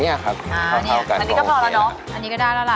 เฮ้ยนี่ได้ไหมเชฟพอแล้วนี่ครับให้ได้สีประมาณตรงนี้ครับ